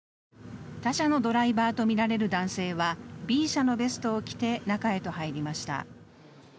他社のドライバーとみられる男性は、Ｂ社のベストを着て中へと入りました。